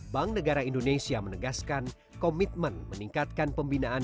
bank negara indonesia menegaskan komitmen meningkatkan pembinaan